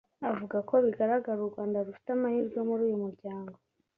avuga ko bigaragara ko u Rwanda rufite amahirwe muri uyu muryango